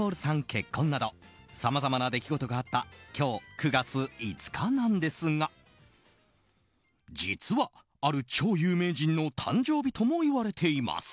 結婚などさまざまな出来事があった今日９月５日なんですが実は、ある超有名人の誕生日とも言われています。